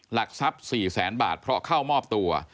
หลักทรัพย์๔แสนบาทเพราะเข้ามอบตัว